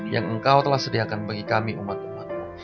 yang engkau telah sediakan bagi kami umat umat